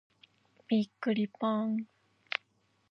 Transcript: びっくりぽん。